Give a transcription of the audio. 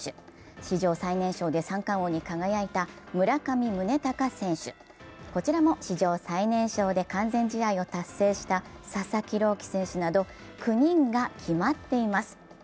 史上最年少で三冠王に輝いた村上宗隆選手、こちらも史上最年少で完全試合を達成した佐々木朗希選手など、９人が決まっています。